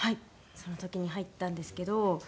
その時に入ったんですけど。